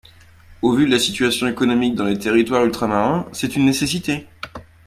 Au vu de la situation économique dans les territoires ultramarins, c’est une nécessité.